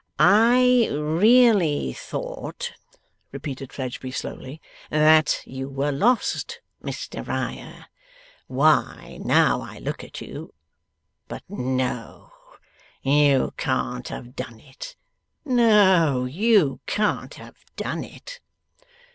'I really thought,' repeated Fledgeby slowly, 'that you were lost, Mr Riah. Why, now I look at you but no, you can't have done it; no, you can't have done it!